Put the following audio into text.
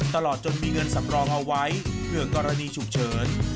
ตลอดจนมีเงินสำรองเอาไว้เผื่อกรณีฉุกเฉิน